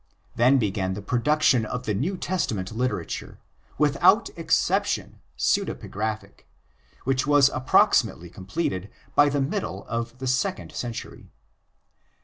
Then began the production of the New Testament litera ture—without exception pseudepigraphic—which was approximately completed by the middle of the second century.